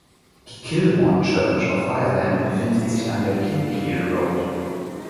Die Kilhorne Church of Ireland befindet sich an der Kilkeel Road.